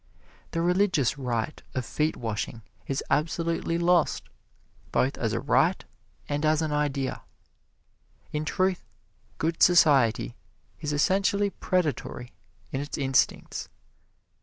The religious rite of feet washing is absolutely lost, both as a rite and as an idea. In truth, "good society" is essentially predatory in its instincts.